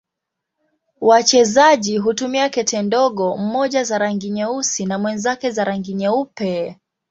Wachezaji hutumia kete ndogo, mmoja za rangi nyeusi na mwenzake za rangi nyeupe.